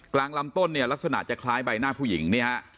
กลางลำต้นเนี่ยลักษณะจะคล้ายใบหน้าผู้หญิงเนี่ยฮะ